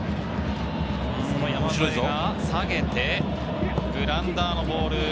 その山副、下げて、グラウンダーのボール。